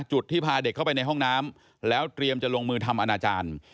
ที่พาเด็กเข้าไปในห้องน้ำแล้วเตรียมจะลงมือทำอนาจารย์